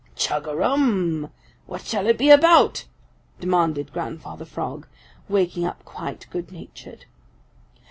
"Chug a rum! What shall it be about?" demanded Grandfather Frog, waking up quite good natured.